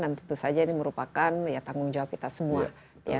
dan tentu saja ini merupakan tanggung jawab kita semua